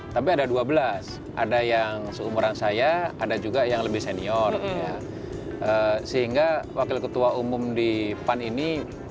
tapi ada dua belas ada yang seumuran saya ada juga yang lebih senior sehingga wakil ketua umum di pan ini